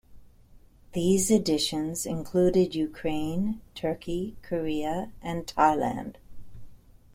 These editions included Ukraine, Turkey, Korea and Thailand.